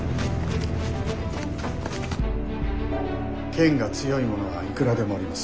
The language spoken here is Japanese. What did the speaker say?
剣が強い者はいくらでもおります。